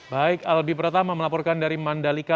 baik albi pertama melaporkan dari mandalika